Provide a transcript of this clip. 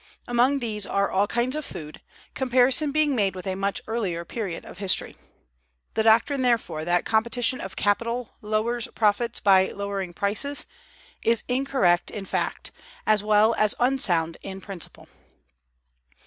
Among these are all kinds of food, comparison being made with a much earlier period of history. The doctrine, therefore, that competition of capital lowers profits by lowering prices, is incorrect in fact, as well as unsound in principle.